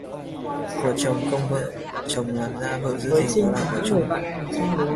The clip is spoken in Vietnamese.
Của chồng, công vợ: chồng làm ra, vợ gìn giữ, đó là của chung.